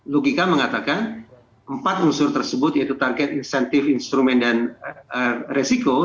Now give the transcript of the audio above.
logika mengatakan empat unsur tersebut yaitu target insentif instrumen dan resiko